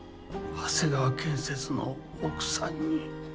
長谷川建設の奥さんに。